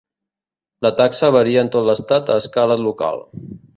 La taxa varia en tot l'estat a escala local.